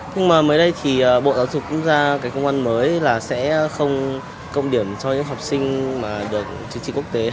nhưng mà mới đây thì bộ giáo dục cũng ra cái công an mới là sẽ không cộng điểm cho những học sinh mà được chứng chỉ quốc tế